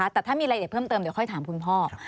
แต่ถ้ามีรายละเอียดเพิ่มเติมเดี๋ยวค่อยถามคุณพ่อ